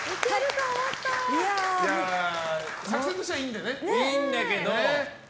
作戦としてはいいんだけどね。